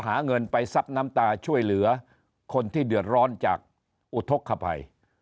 หาเงินไปซับน้ำตาช่วยเหลือคนที่เดือดร้อนจากอุทธกภัย